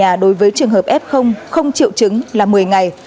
tăng cách ly điều trị f tại nhà đối với trường hợp f không triệu chứng là một mươi ngày